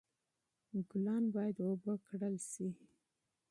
ګلان باید اوبه کړل شي.